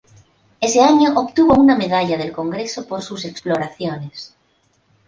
Ese año obtuvo una medalla del Congreso por sus exploraciones.